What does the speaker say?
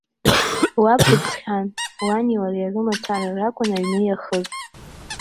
Лаб дыԥсхьан, лани лареи рымацара ракәын аҩны иахыз.